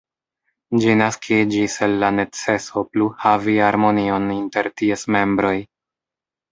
Ĝi naskiĝis el la neceso pluhavi harmonion inter ties membroj.